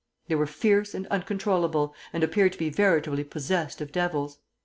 They were fierce and uncontrollable, and appeared to be veritably possessed of devils.